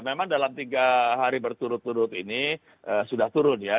memang dalam tiga hari berturut turut ini sudah turun ya